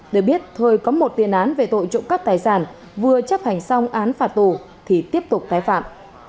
để biết thời có một tiền án về tội trộm cắp tài sản vừa chấp hành xong án phạt tù thì tiếp tục tái phạm